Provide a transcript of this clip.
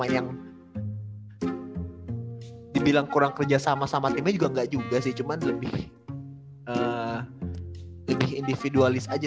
yang dibilang kurang kerjasama sama timnya juga enggak juga sih cuman lebih individualis aja